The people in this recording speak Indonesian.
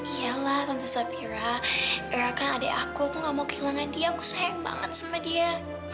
iya lah tante saphira era kan adik aku aku gak mau kehilangan dia aku sayang banget sama dia